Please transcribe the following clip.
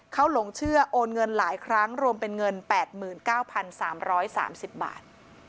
เขาหลงเชื่อโอนเงินหลายครั้งรวมเป็นเงิน๘๙๓๓๐บาท